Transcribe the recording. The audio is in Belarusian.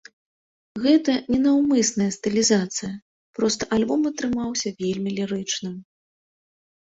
Гэта не наўмысная стылізацыя, проста альбом атрымаўся вельмі лірычным.